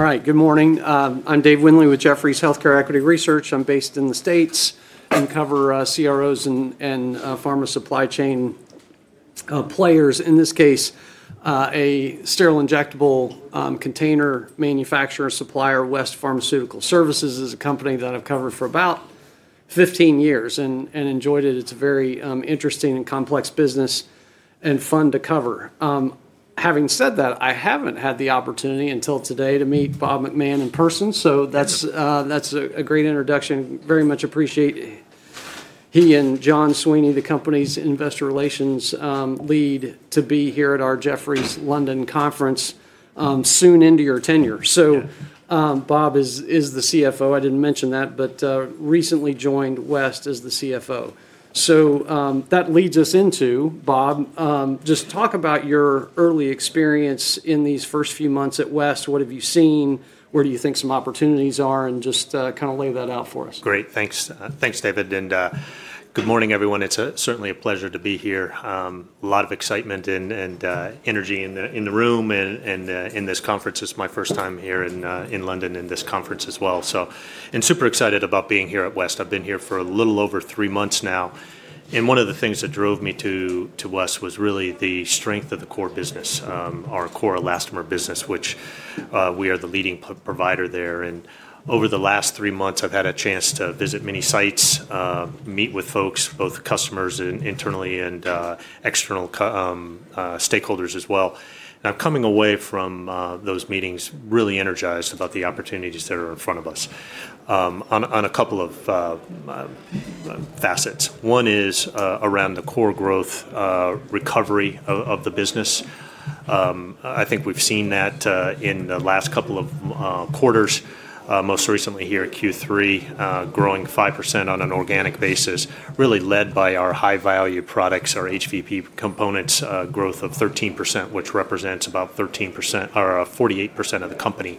All right, good morning. I'm Dave Windley with Jefferies Healthcare Equity Research. I'm based in the States and cover CROs and pharma supply chain players. In this case, a sterile injectable container manufacturer supplier, West Pharmaceutical Services, is a company that I've covered for about 15 years and enjoyed it. It's a very interesting and complex business and fun to cover. Having said that, I haven't had the opportunity until today to meet Bob McMahon in person, so that's a great introduction. Very much appreciate he and John Sweeney, the company's investor relations lead, to be here at our Jefferies London conference soon into your tenure. Bob is the CFO. I didn't mention that, but recently joined West as the CFO. That leads us into, Bob, just talk about your early experience in these first few months at West. What have you seen? Where do you think some opportunities are? Just kind of lay that out for us. Great. Thanks, David. Good morning, everyone. It is certainly a pleasure to be here. A lot of excitement and energy in the room and in this conference. It is my first time here in London in this conference as well. I am super excited about being here at West. I have been here for a little over three months now. One of the things that drove me to West was really the strength of the core business, our core elastomer business, which we are the leading provider there. Over the last three months, I have had a chance to visit many sites, meet with folks, both customers internally and external stakeholders as well. Coming away from those meetings, I am really energized about the opportunities that are in front of us on a couple of facets. One is around the core growth recovery of the business. I think we've seen that in the last couple of quarters, most recently here at Q3, growing 5% on an organic basis, really led by our high-value products, our HVP components, growth of 13%, which represents about 48% of the company.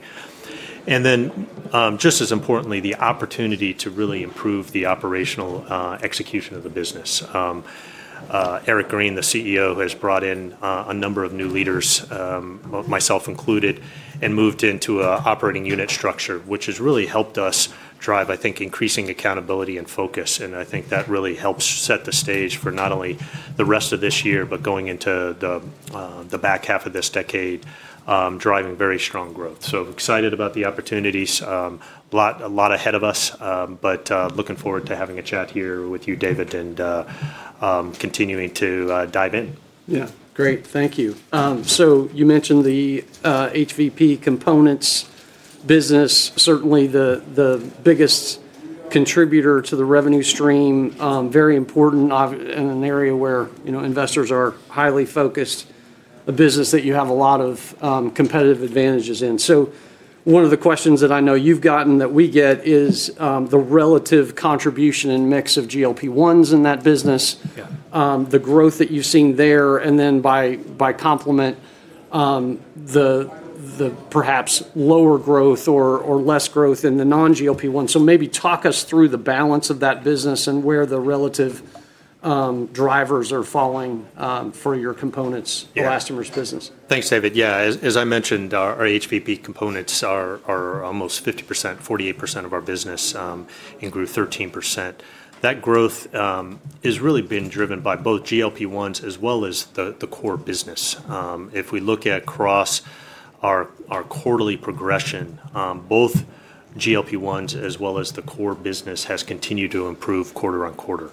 Just as importantly, the opportunity to really improve the operational execution of the business. Eric Green, the CEO, has brought in a number of new leaders, myself included, and moved into an operating unit structure, which has really helped us drive, I think, increasing accountability and focus. I think that really helps set the stage for not only the rest of this year, but going into the back half of this decade, driving very strong growth. Excited about the opportunities. A lot ahead of us, but looking forward to having a chat here with you, David, and continuing to dive in. Yeah. Great. Thank you. You mentioned the HVP components business, certainly the biggest contributor to the revenue stream, very important in an area where investors are highly focused, a business that you have a lot of competitive advantages in. One of the questions that I know you've gotten that we get is the relative contribution and mix of GLP-1s in that business, the growth that you've seen there, and then by complement, the perhaps lower growth or less growth in the non-GLP-1. Maybe talk us through the balance of that business and where the relative drivers are falling for your components elastomers business. Thanks, David. Yeah. As I mentioned, our HVP components are almost 50%, 48% of our business and grew 13%. That growth has really been driven by both GLP-1s as well as the core business. If we look at across our quarterly progression, both GLP-1s as well as the core business has continued to improve quarter on quarter.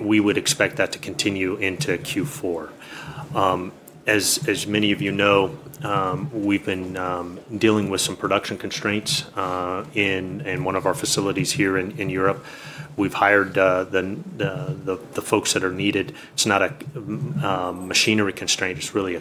We would expect that to continue into Q4. As many of you know, we've been dealing with some production constraints in one of our facilities here in Europe. We've hired the folks that are needed. It's not a machinery constraint. It's really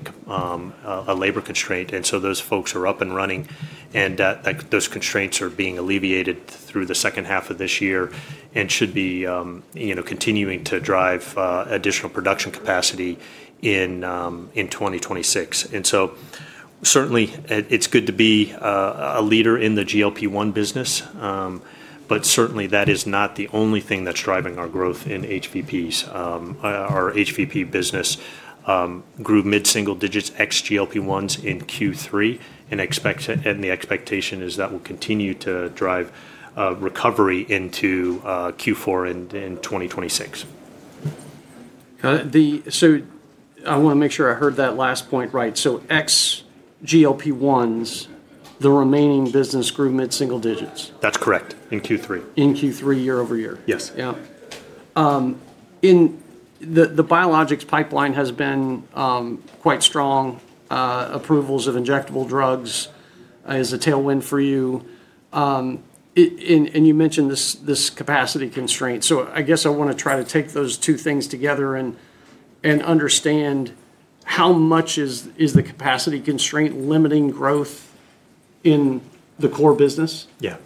a labor constraint. Those folks are up and running. Those constraints are being alleviated through the second half of this year and should be continuing to drive additional production capacity in 2026. It is good to be a leader in the GLP-1 business, but certainly that is not the only thing that is driving our growth in HVPs. Our HVP business grew mid-single digits ex-GLP-1s in Q3. The expectation is that will continue to drive recovery into Q4 in 2026. I want to make sure I heard that last point right. Ex-GLP-1s, the remaining business grew mid-single digits. That's correct. In Q3. In Q3 year over year. Yes. Yeah. The biologics pipeline has been quite strong. Approvals of injectable drugs is a tailwind for you. You mentioned this capacity constraint. I guess I want to try to take those two things together and understand how much is the capacity constraint limiting growth in the core business? Yeah.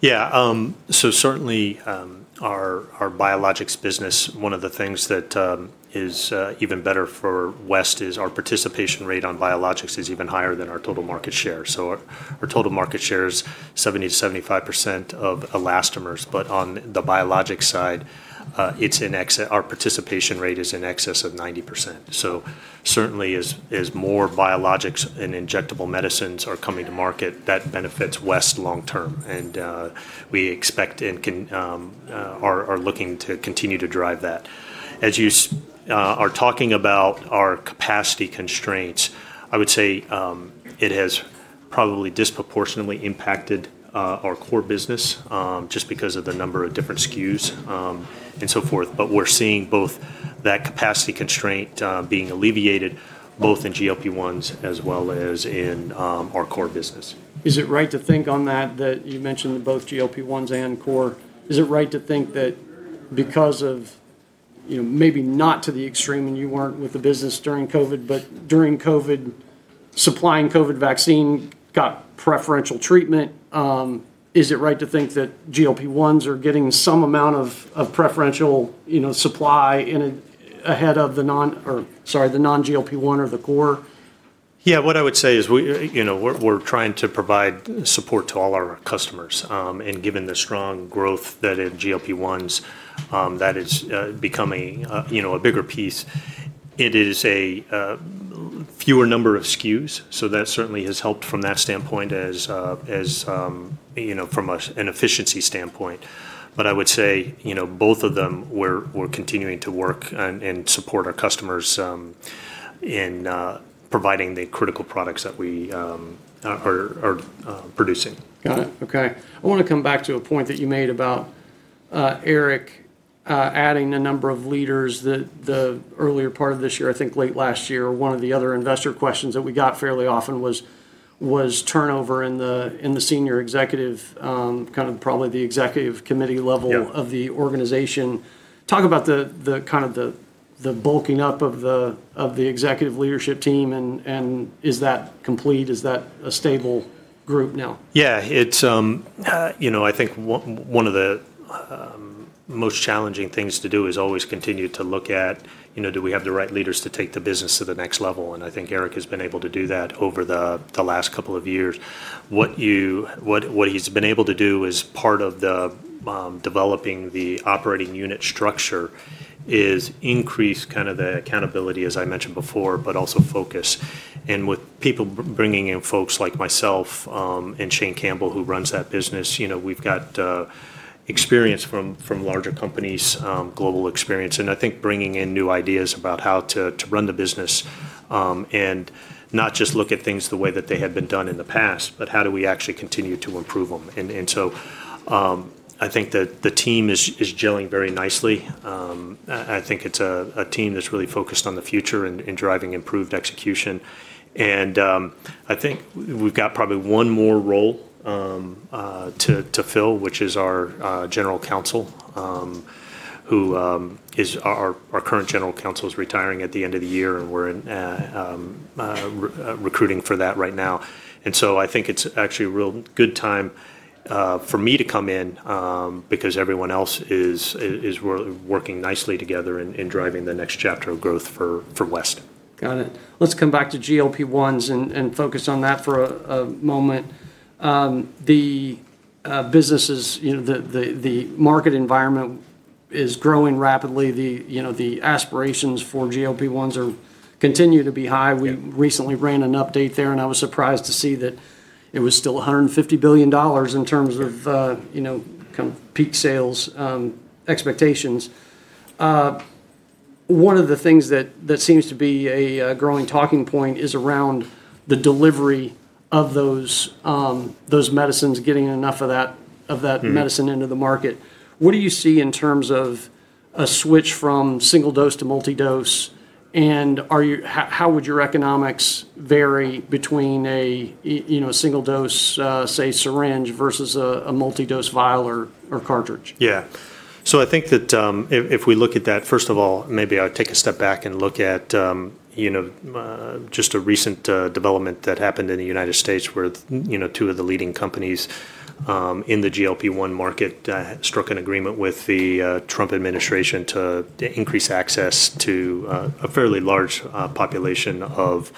Yeah. So certainly, our biologics business, one of the things that is even better for West is our participation rate on biologics is even higher than our total market share. So our total market share is 70%-75% of elastomers. But on the biologics side, our participation rate is in excess of 90%. So certainly, as more biologics and injectable medicines are coming to market, that benefits West long-term. We expect and are looking to continue to drive that. As you are talking about our capacity constraints, I would say it has probably disproportionately impacted our core business just because of the number of different SKUs and so forth. We are seeing both that capacity constraint being alleviated both in GLP-1s as well as in our core business. Is it right to think on that, that you mentioned both GLP-1s and core? Is it right to think that because of maybe not to the extreme and you were not with the business during COVID, but during COVID, supplying COVID vaccine got preferential treatment, is it right to think that GLP-1s are getting some amount of preferential supply ahead of the non-GLP-1 or the core? Yeah. What I would say is we're trying to provide support to all our customers. Given the strong growth in GLP-1s, that has become a bigger piece. It is a fewer number of SKUs, so that certainly has helped from that standpoint, from an efficiency standpoint. I would say both of them, we're continuing to work and support our customers in providing the critical products that we are producing. Got it. Okay. I want to come back to a point that you made about Eric adding a number of leaders the earlier part of this year, I think late last year. One of the other investor questions that we got fairly often was turnover in the senior executive, kind of probably the executive committee level of the organization. Talk about kind of the bulking up of the executive leadership team. Is that complete? Is that a stable group now? Yeah. I think one of the most challenging things to do is always continue to look at, do we have the right leaders to take the business to the next level? I think Eric has been able to do that over the last couple of years. What he's been able to do as part of developing the operating unit structure is increase kind of the accountability, as I mentioned before, but also focus. With people bringing in folks like myself and Shane Campbell, who runs that business, we've got experience from larger companies, global experience. I think bringing in new ideas about how to run the business and not just look at things the way that they had been done in the past, but how do we actually continue to improve them? I think that the team is gelling very nicely. I think it's a team that's really focused on the future and driving improved execution. I think we've got probably one more role to fill, which is our General Counsel, who is our current General Counsel is retiring at the end of the year, and we're recruiting for that right now. I think it's actually a real good time for me to come in because everyone else is working nicely together in driving the next chapter of growth for West. Got it. Let's come back to GLP-1s and focus on that for a moment. The businesses, the market environment is growing rapidly. The aspirations for GLP-1s continue to be high. We recently ran an update there, and I was surprised to see that it was still $150 billion in terms of kind of peak sales expectations. One of the things that seems to be a growing talking point is around the delivery of those medicines, getting enough of that medicine into the market. What do you see in terms of a switch from single dose to multi-dose? And how would your economics vary between a single dose, say, syringe versus a multi-dose vial or cartridge? Yeah. I think that if we look at that, first of all, maybe I'll take a step back and look at just a recent development that happened in the United States where two of the leading companies in the GLP-1 market struck an agreement with the Trump administration to increase access to a fairly large population of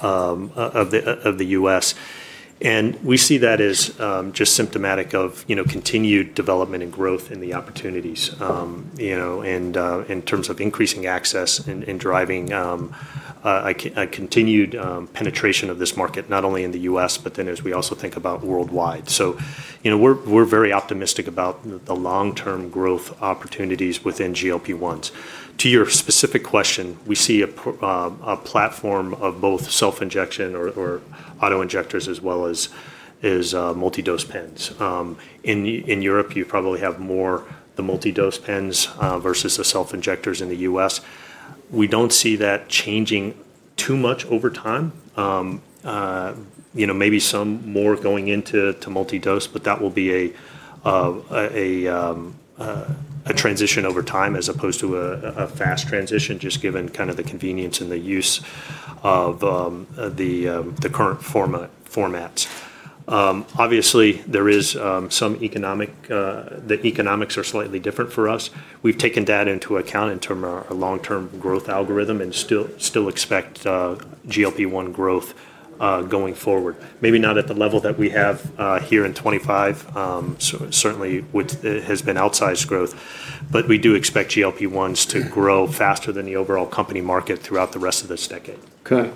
the U.S. We see that as just symptomatic of continued development and growth in the opportunities and in terms of increasing access and driving a continued penetration of this market, not only in the U.S., but then as we also think about worldwide. We are very optimistic about the long-term growth opportunities within GLP-1s. To your specific question, we see a platform of both self-injection or auto injectors as well as multi-dose pens. In Europe, you probably have more the multi-dose pens versus the self-injectors in the U.S. We don't see that changing too much over time. Maybe some more going into multi-dose, but that will be a transition over time as opposed to a fast transition, just given kind of the convenience and the use of the current formats. Obviously, there is some economic, the economics are slightly different for us. We've taken that into account in terms of our long-term growth algorithm and still expect GLP-1 growth going forward. Maybe not at the level that we have here in 2025, certainly, which has been outsized growth. We do expect GLP-1s to grow faster than the overall company market throughout the rest of this decade. Okay.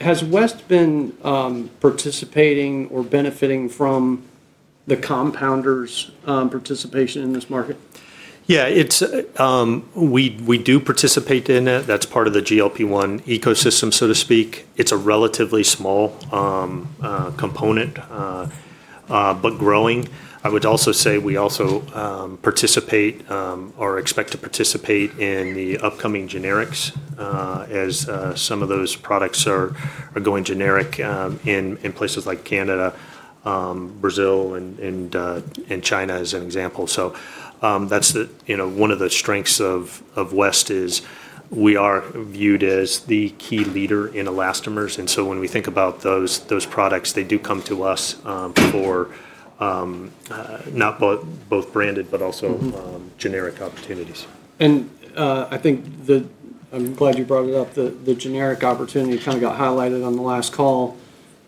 Has West been participating or benefiting from the compounders' participation in this market? Yeah. We do participate in it. That is part of the GLP-1 ecosystem, so to speak. It is a relatively small component, but growing. I would also say we also participate or expect to participate in the upcoming generics as some of those products are going generic in places like Canada, Brazil, and China as an example. That is one of the strengths of West is we are viewed as the key leader in elastomers. When we think about those products, they do come to us for not both branded, but also generic opportunities. I think I'm glad you brought it up. The generic opportunity kind of got highlighted on the last call.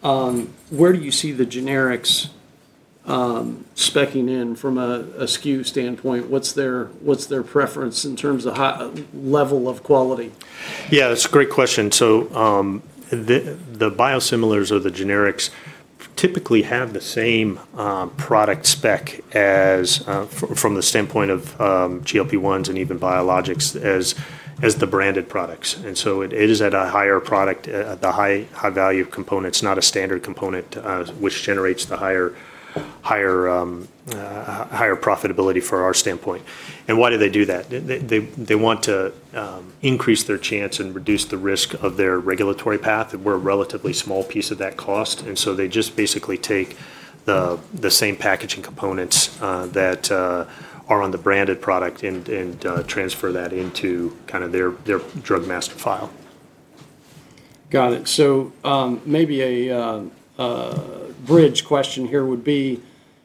Where do you see the generics specking in from a SKU standpoint? What's their preference in terms of level of quality? Yeah. That's a great question. The biosimilars or the generics typically have the same product spec from the standpoint of GLP-1s and even biologics as the branded products. It is at a higher product, the high-value components, not a standard component, which generates the higher profitability from our standpoint. Why do they do that? They want to increase their chance and reduce the risk of their regulatory path. We're a relatively small piece of that cost. They just basically take the same packaging components that are on the branded product and transfer that into their drug master file. Got it. Maybe a bridge question here would be,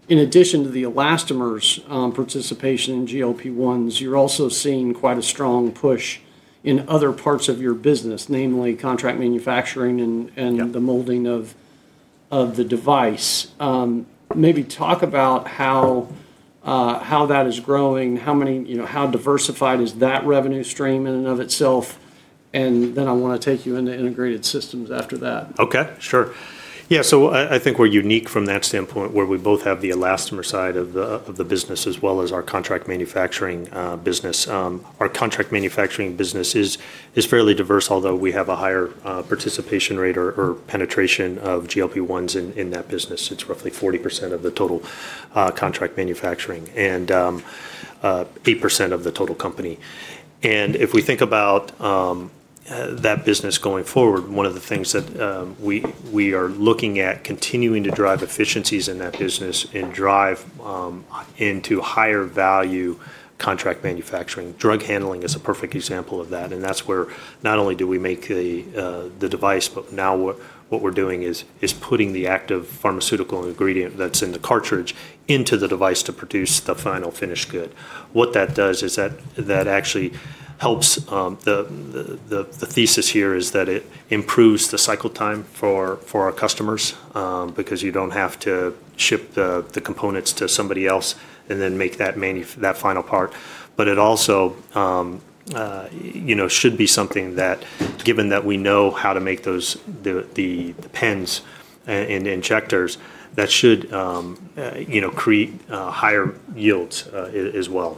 in addition to the elastomers' participation in GLP-1s, you're also seeing quite a strong push in other parts of your business, namely contract manufacturing and the molding of the device. Maybe talk about how that is growing, how diversified is that revenue stream in and of itself. I want to take you into integrated systems after that. Okay. Sure. Yeah. So I think we're unique from that standpoint where we both have the elastomer side of the business as well as our contract manufacturing business. Our contract manufacturing business is fairly diverse, although we have a higher participation rate or penetration of GLP-1s in that business. It's roughly 40% of the total contract manufacturing and 8% of the total company. If we think about that business going forward, one of the things that we are looking at is continuing to drive efficiencies in that business and drive into higher-value contract manufacturing. Drug handling is a perfect example of that. That's where not only do we make the device, but now what we're doing is putting the active pharmaceutical ingredient that's in the cartridge into the device to produce the final finished good. What that does is that actually helps the thesis here is that it improves the cycle time for our customers because you do not have to ship the components to somebody else and then make that final part. It also should be something that, given that we know how to make the pens and injectors, that should create higher yields as well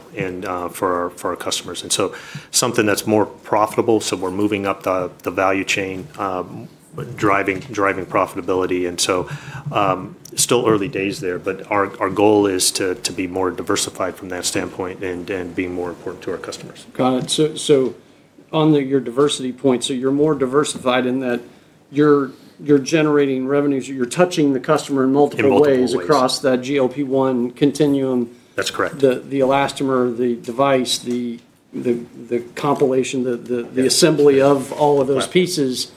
for our customers. Something that is more profitable. We are moving up the value chain, driving profitability. Still early days there, but our goal is to be more diversified from that standpoint and being more important to our customers. Got it. On your diversity point, you are more diversified in that you are generating revenues, you are touching the customer in multiple ways across that GLP-1 continuum. That's correct. The elastomer, the device, the compilation, the assembly of all of those pieces.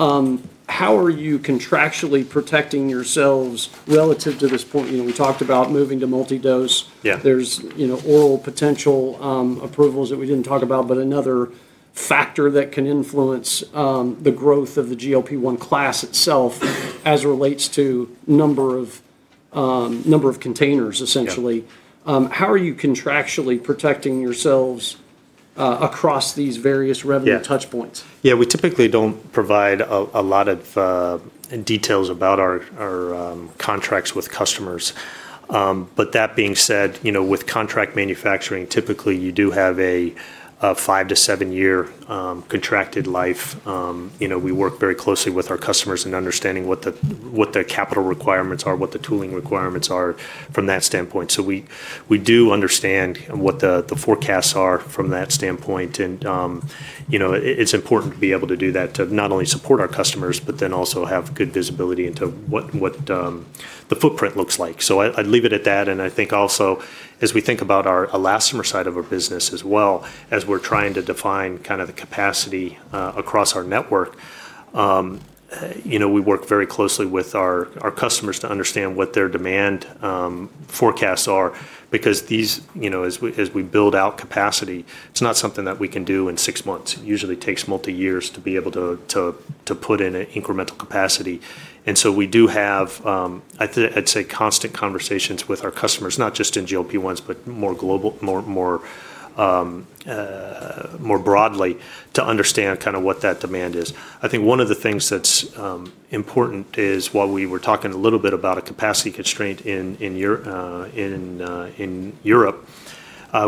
How are you contractually protecting yourselves relative to this point? We talked about moving to multi-dose. There is oral potential approvals that we did not talk about, but another factor that can influence the growth of the GLP-1 class itself as it relates to number of containers, essentially. How are you contractually protecting yourselves across these various revenue touchpoints? Yeah. We typically do not provide a lot of details about our contracts with customers. That being said, with contract manufacturing, typically you do have a 5-7 year contracted life. We work very closely with our customers in understanding what the capital requirements are, what the tooling requirements are from that standpoint. We do understand what the forecasts are from that standpoint. It is important to be able to do that to not only support our customers, but then also have good visibility into what the footprint looks like. I would leave it at that. I think also, as we think about our elastomer side of our business as well, as we're trying to define kind of the capacity across our network, we work very closely with our customers to understand what their demand forecasts are because as we build out capacity, it's not something that we can do in six months. It usually takes multi-years to be able to put in an incremental capacity. We do have, I'd say, constant conversations with our customers, not just in GLP-1s, but more broadly to understand kind of what that demand is. I think one of the things that's important is while we were talking a little bit about a capacity constraint in Europe,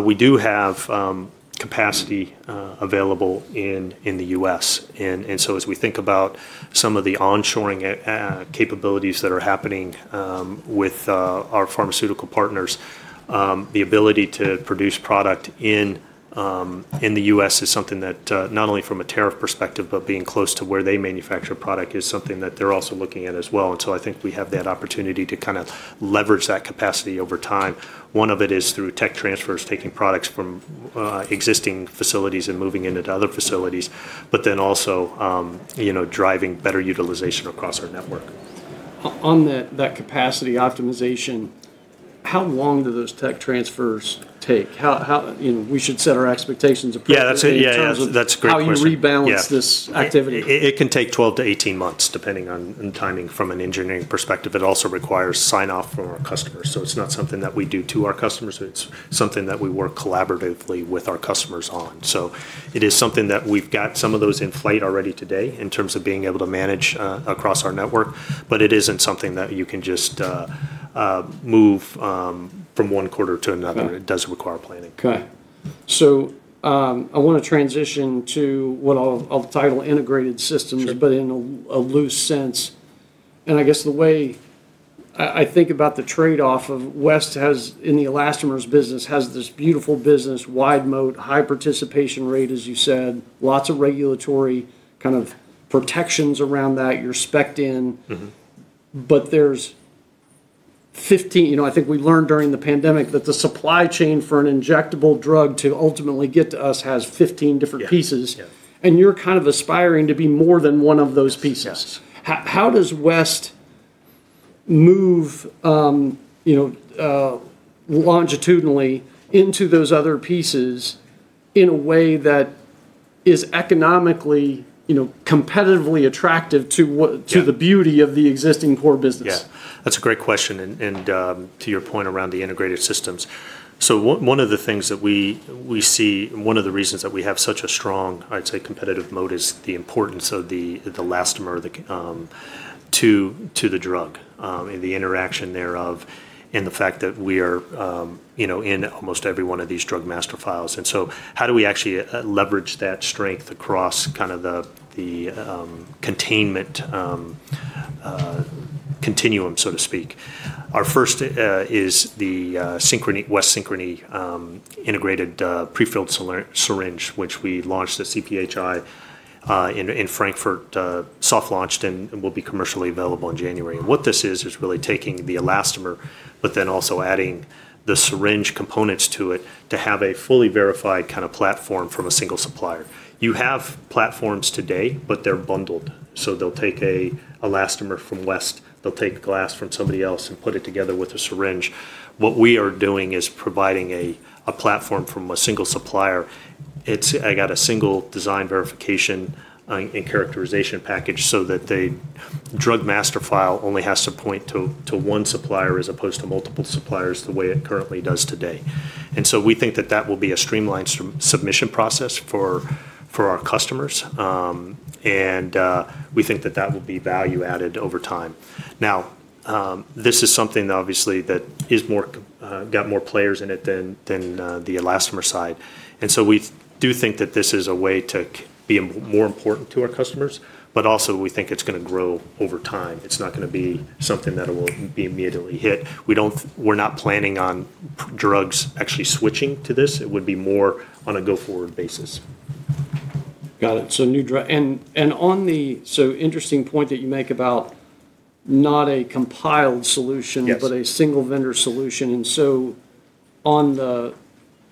we do have capacity available in the U.S. As we think about some of the onshoring capabilities that are happening with our pharmaceutical partners, the ability to produce product in the U.S. is something that not only from a tariff perspective, but being close to where they manufacture product is something that they're also looking at as well. I think we have that opportunity to kind of leverage that capacity over time. One of it is through tech transfers, taking products from existing facilities and moving into other facilities, but then also driving better utilization across our network. On that capacity optimization, how long do those tech transfers take? We should set our expectations appropriately in terms of how we rebalance this activity. It can take 12-18 months, depending on timing from an engineering perspective. It also requires sign-off from our customers. It is not something that we do to our customers. It is something that we work collaboratively with our customers on. It is something that we have some of those in flight already today in terms of being able to manage across our network, but it is not something that you can just move from one quarter to another. It does require planning. Okay. I want to transition to what I'll title integrated systems, but in a loose sense. I guess the way I think about the trade-off of West in the elastomers business has this beautiful business, wide moat, high participation rate, as you said, lots of regulatory kind of protections around that. You're specked in, but there's 15. I think we learned during the pandemic that the supply chain for an injectable drug to ultimately get to us has 15 different pieces. You're kind of aspiring to be more than one of those pieces. How does West move longitudinally into those other pieces in a way that is economically competitively attractive to the beauty of the existing core business? Yeah. That's a great question. To your point around the integrated systems, one of the things that we see, one of the reasons that we have such a strong, I'd say, competitive moat is the importance of the elastomer to the drug and the interaction thereof and the fact that we are in almost every one of these drug master files. How do we actually leverage that strength across kind of the containment continuum, so to speak? Our first is the West Synchrony integrated prefilled syringe, which we launched at CPHI in Frankfurt, soft launched, and will be commercially available in January. What this is, is really taking the elastomer, but then also adding the syringe components to it to have a fully verified kind of platform from a single supplier. You have platforms today, but they're bundled. They'll take an elastomer from West, they'll take glass from somebody else and put it together with a syringe. What we are doing is providing a platform from a single supplier. It has a single design verification and characterization package so that the drug master file only has to point to one supplier as opposed to multiple suppliers the way it currently does today. We think that that will be a streamlined submission process for our customers. We think that that will be value-added over time. This is something that obviously has more players in it than the elastomer side. We do think that this is a way to be more important to our customers, but also we think it's going to grow over time. It's not going to be something that will be immediately hit. We're not planning on drugs actually switching to this. It would be more on a go-forward basis. Got it. So new drug. And on the so interesting point that you make about not a compiled solution, but a single vendor solution. And so on the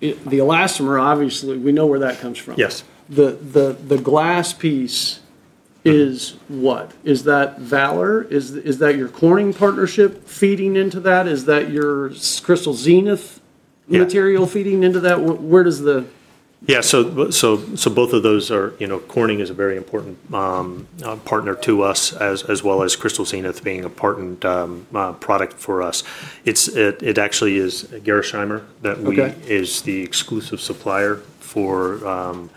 elastomer, obviously, we know where that comes from. The glass piece is what? Is that Valor? Is that your Corning partnership feeding into that? Is that your Crystal Zenith material feeding into that? Where does the? Yeah. Both of those are, Corning is a very important partner to us, as well as Crystal Zenith being a partnered product for us. It actually is Gerresheimer that is the exclusive supplier for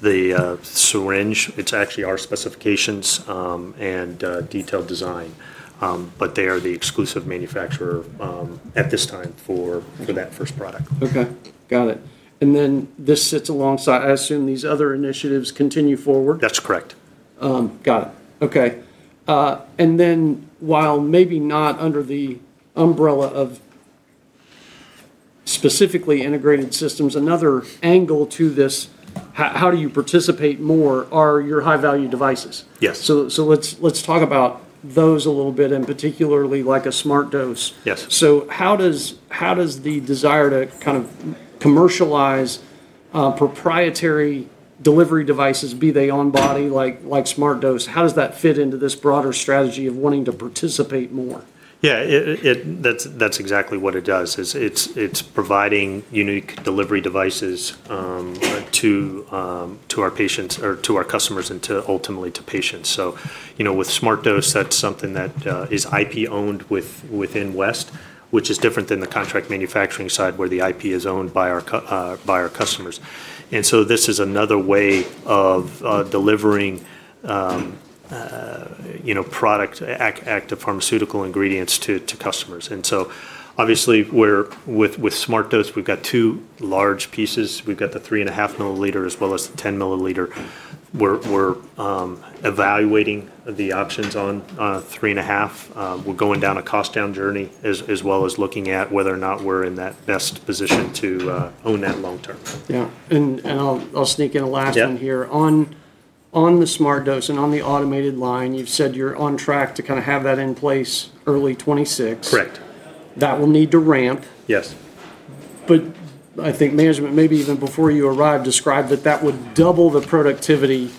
the syringe. It's actually our specifications and detailed design, but they are the exclusive manufacturer at this time for that first product. Okay. Got it. This sits alongside, I assume, these other initiatives continue forward? That's correct. Got it. Okay. While maybe not under the umbrella of specifically integrated systems, another angle to this, how do you participate more are your high-value devices. Let's talk about those a little bit, and particularly like a SmartDose. How does the desire to kind of commercialize proprietary delivery devices, be they on-body like SmartDose, how does that fit into this broader strategy of wanting to participate more? Yeah. That's exactly what it does. It's providing unique delivery devices to our patients or to our customers and ultimately to patients. With SmartDose, that's something that is IP-owned within West, which is different than the contract manufacturing side where the IP is owned by our customers. This is another way of delivering product active pharmaceutical ingredients to customers. Obviously, with SmartDose, we've got two large pieces. We've got the 3.5 ml as well as the 10 ml. We're evaluating the options on 3.5. We're going down a cost-down journey as well as looking at whether or not we're in that best position to own that long term. Yeah. I'll sneak in a last one here. On the SmartDose and on the automated line, you've said you're on track to kind of have that in place early 2026. Correct. That will need to ramp. Yes. I think management, maybe even before you arrived, described that that would double the productivity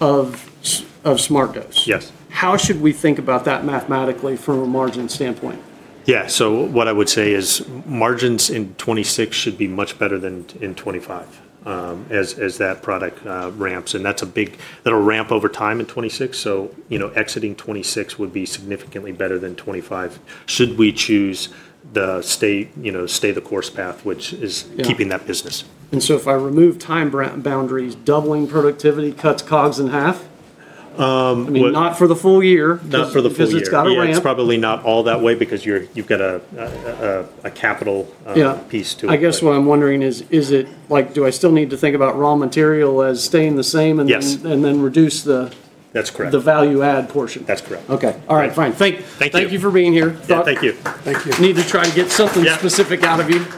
of SmartDose. Yes. How should we think about that mathematically from a margin standpoint? Yeah. What I would say is margins in 2026 should be much better than in 2025 as that product ramps. That is a big, that will ramp over time in 2026. Exiting 2026 would be significantly better than 2025 should we choose to stay the course path, which is keeping that business. If I remove time boundaries, doubling productivity cuts cogs in half. I mean, not for the full year. Not for the full year. It's probably not all that way because you've got a capital piece too. I guess what I'm wondering is, do I still need to think about raw material as staying the same and then reduce the value-add portion? That's correct. Okay. All right. Fine. Thank you for being here. Thank you. Need to try to get something specific out of you.